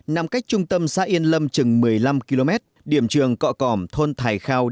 nằm cách trung tâm xã yên lâm chừng một mươi năm km điểm trường cọ cỏm thôn thải khao